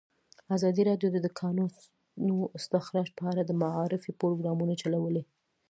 ازادي راډیو د د کانونو استخراج په اړه د معارفې پروګرامونه چلولي.